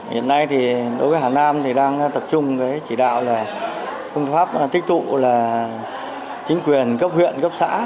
hiện nay đối với hà nam đang tập trung chỉ đạo phương pháp tích tụ chính quyền cấp huyện cấp xã